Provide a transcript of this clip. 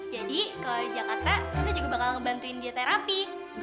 jadi kalau di jakarta prita juga bakal ngebantuin dia terapi